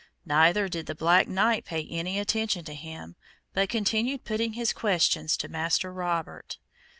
Neither did the black knight pay any attention to him, but continued putting his questions to Master Robert.